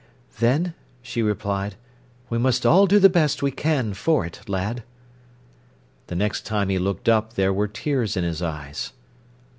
"Then," she replied, "we must all do the best we can for it, lad." The next time he looked up there were tears in his eyes.